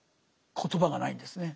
言葉がないんですね。